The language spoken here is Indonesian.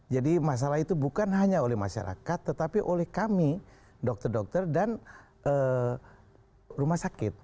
jadi masalah itu bukan hanya oleh masyarakat tetapi oleh kami dokter dokter dan rumah sakit